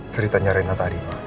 ceritanya rena tadi